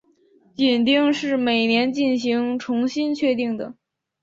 紧盯是每年进行重新确定的。